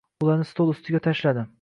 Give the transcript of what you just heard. Ularni stol ustiga tashladi.